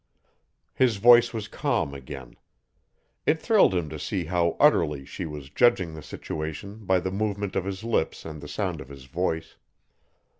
His voice was calm again. It thrilled him to see how utterly she was judging the situation by the movement of his lips and the sound of his voice.